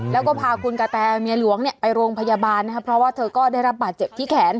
แล้วก็พาคุณกะแตเมียหลวงเนี่ยไปโรงพยาบาลนะครับเพราะว่าเธอก็ได้รับบาดเจ็บที่แขน